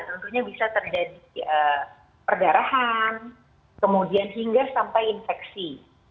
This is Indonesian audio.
tentunya bisa terjadi perdarahan kemudian hingga sampai infeksi